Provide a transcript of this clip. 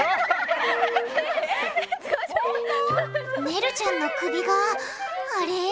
ねるちゃんの首があれ？